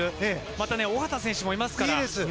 また、小方選手もいますから。